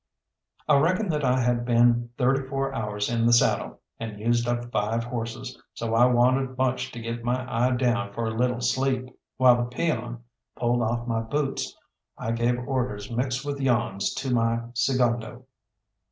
I reckon that I had been thirty four hours in the saddle, and used up five horses, so I wanted much to get my eye down for a little sleep. While the peon pulled off my boots I gave orders mixed with yawns to my segundo.